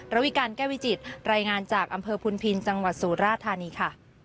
วิการแก้วิจิตรายงานจากอำเภอพุนพินจังหวัดสุราธานีค่ะ